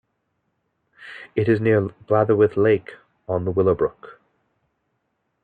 It is near Blatherwycke Lake, on the Willow Brook.